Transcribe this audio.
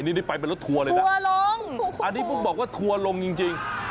นี่นี่ไปเป็นรถทัวร์เลยนะทัวร์ลงอันนี้ผมบอกว่าทัวร์ลงจริง